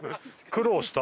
苦労。